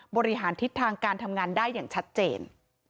บริหารทิศทางการทำงานได้อย่างชัดเจน